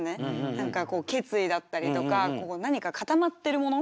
何か決意だったりとか何か固まってるもの。